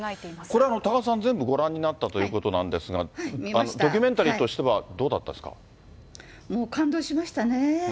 これ、多賀さん、全部ご覧になったということなんですが、ドキュメンタリーとしてもう感動しましたね。